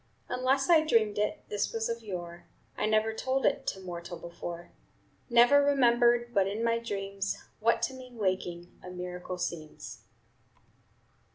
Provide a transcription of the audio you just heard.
"Unless I dreamed it This was of yore; I never told it To mortal before. "Never remembered But in my dreams, What to me waking A miracle seems."